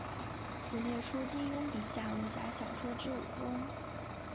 此列出金庸笔下武侠小说之武功。